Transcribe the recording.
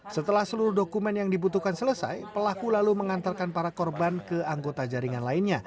setelah seluruh dokumen yang dibutuhkan selesai pelaku lalu mengantarkan para korban ke anggota jaringan lainnya